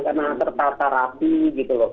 karena tertata rapi gitu loh